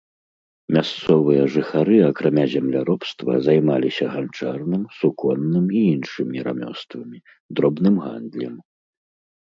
Мясцовыя жыхары акрамя земляробства займаліся ганчарным, суконным і іншымі рамёствамі, дробным гандлем.